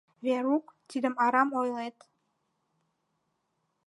— Верук, тидым арам ойлет...